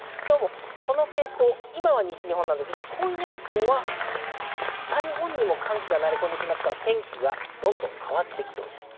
この傾向、今は西日本ですが今夜以降は北日本にも寒気が流れ込んできますので、天気は変わってきそうです。